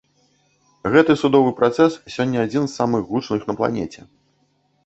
Гэты судовы працэс сёння адзін з самых гучных на планеце.